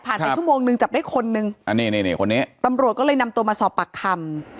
ไปชั่วโมงนึงจับได้คนนึงอันนี้นี่คนนี้ตำรวจก็เลยนำตัวมาสอบปากคำ